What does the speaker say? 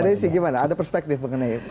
desi gimana ada perspektif mengenai itu